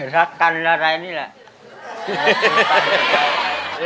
รักกันอะไรนี่แหละ